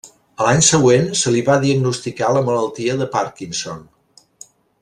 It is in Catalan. A l'any següent se li va diagnosticar la malaltia de Parkinson.